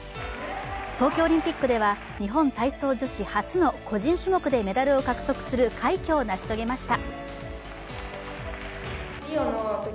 東京オリンピックでは日本体操女子初の個人種目でメダルを獲得する快挙を成し遂げました。